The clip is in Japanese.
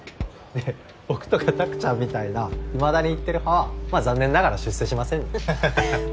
で僕とか拓ちゃんみたいないまだに行ってる派はまあ残念ながら出世しませんねははははっ。